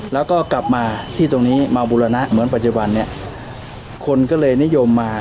แล้วก็กลับมาที่ตรงนี้มาบูรณะเหมือนปัจจุบันเนี่ย